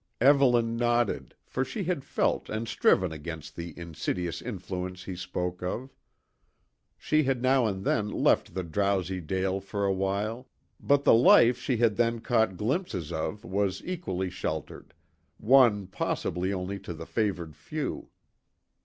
Evelyn nodded, for she had felt and striven against the insidious influence he spoke of. She had now and then left the drowsy dale for a while; but the life she had then caught glimpses of was equally sheltered, one possible only to the favoured few.